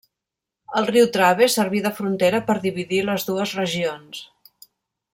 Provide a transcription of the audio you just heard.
El riu Trave serví de frontera per dividir les dues regions.